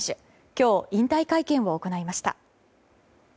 今日、引退会見を行いました。